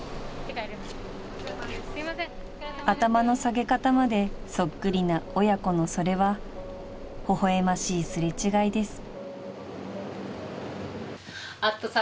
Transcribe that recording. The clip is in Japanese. ［頭の下げ方までそっくりな親子のそれは微笑ましい擦れ違いです］